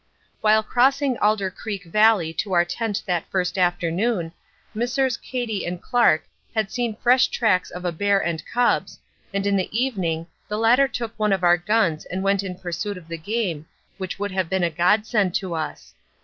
While crossing Alder Creek Valley to our tent that first afternoon, Messrs. Cady and Clark had seen fresh tracks of a bear and cubs, and in the evening the latter took one of our guns and went in pursuit of the game which would have been a godsend to us.